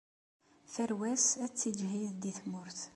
Tarwa-s ad tiǧhid di tmurt.